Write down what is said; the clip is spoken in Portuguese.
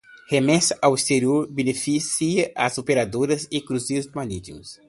Remessas ao exterior beneficia as operadoras e cruzeiros marítimos